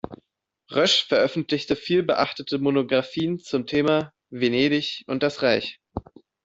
Rösch veröffentlichte vielbeachtete Monographien zum Thema "Venedig und das Reich.